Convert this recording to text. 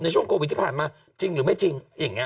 ในช่วงโกวิทย์ที่ผ่านมาจริงหรือไม่จริง